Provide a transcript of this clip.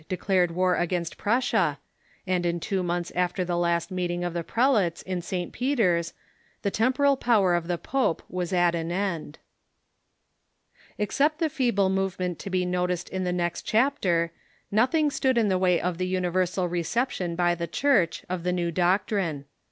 declared war against Prussia, and in two months after the last meeting of the prelates in St. Pe ter's the temporal power of the pope was at an end. Except the feeble movement to be noticed in the next chap ter, nothing stood in the Avay of the universal reception by the Church of the new doctrine.